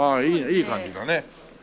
いい感じだねこれ。